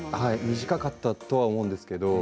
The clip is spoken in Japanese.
短かったと思うんですけど。